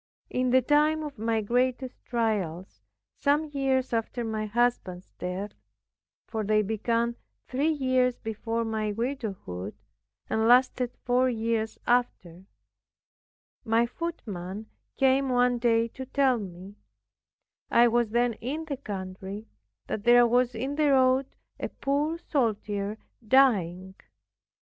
In the time of my greatest trials, some years after my husband's death (for they began three years before my widowhood, and lasted four years after) my footman came one day to tell me, (I was then in the country) that there was in the road a poor soldier dying.